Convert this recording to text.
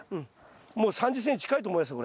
もう３０ｃｍ近いと思いますよ